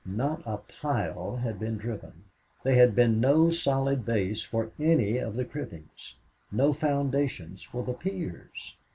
Not a pile had been driven! There had been no solid base for any of the cribbings! No foundations for the piers!